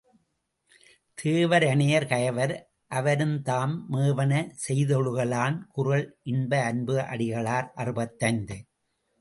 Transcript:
தேவ ரனையர் கயவர் அவருந்தாம் மேவன செய்தொழுக லான் குறள் இன்ப அன்பு அடிகளார் அறுபத்தைந்து.